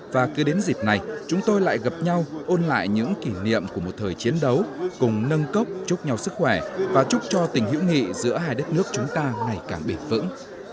và cứ đến dịp này chúng tôi lại gặp nhau ôn lại những kỷ niệm của một thời chiến đấu cùng nâng cốc chúc nhau sức khỏe và chúc cho tình hữu nghị giữa hai đất nước chúng ta ngày càng bền vững